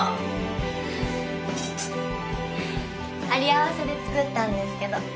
有り合わせで作ったんですけど。